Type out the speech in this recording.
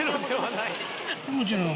もちろん。